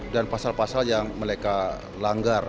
dan pasal pasal yang mereka langgar